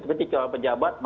tapi kalau pejabat